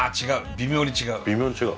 微妙に違う。